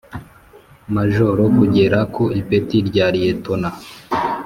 Majoro kugera ku ipeti rya Liyetona